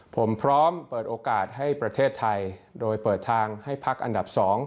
ผมพร้อมเปิดโอกาสให้ประเทศไทยโดยเปิดทางให้พักอันดับ๒